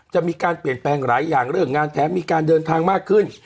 จะมีการเปลี่ยนแปลงหลายอย่างเรื่องงานแถมมีการเดินทางมากขึ้น